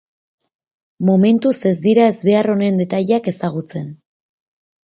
Momentuz ez dira ezbehar honen detaileak ezagutzen.